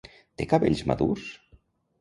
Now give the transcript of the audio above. Té cabells madurs?